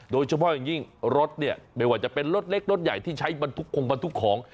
โดยเฉพาะอย่างยิ่งรถเนี่ยไม่ว่าจะเป็นรถเล็กรถใหญ่ที่ใช้บรรทุกคงบรรทุกของ